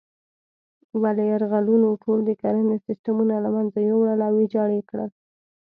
ولې یرغلونو ټول د کرنې سیسټمونه له منځه یوړل او ویجاړ یې کړل.